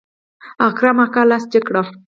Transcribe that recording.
اکرم اکا لاس جګ کړ.